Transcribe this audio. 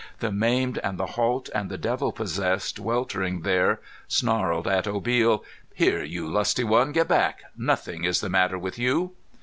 The maimed and the halt and the devil possessed weltering there snarled at Obil, "Here, you lusty one! Get back! Nothing is the matter with you!"